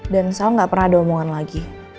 dan sal gak pernah ada omongan lagi